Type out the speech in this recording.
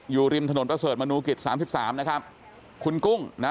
อยู่ริมถนนประเสริฐมนูกิจสามสิบสามนะครับคุณกุ้งนะ